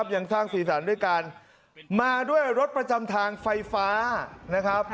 ยังสร้างสีสันด้วยการมาด้วยรถประจำทางไฟฟ้านะครับ